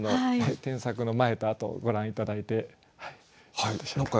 添削の前と後ご覧頂いてどうでしょうか？